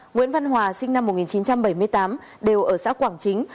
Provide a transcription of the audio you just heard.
nguyễn văn hòa sinh năm một nghìn chín trăm bảy mươi tám đều ở xã quảng chính